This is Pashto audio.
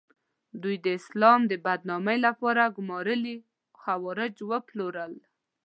دوی د اسلام د بدنامۍ لپاره ګومارلي خوارج وپلورل.